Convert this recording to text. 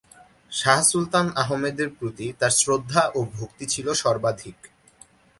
শাহ সুলতান আহমদের প্রতি তার শ্রদ্ধা ও ভক্তি ছিল সর্বাধিক।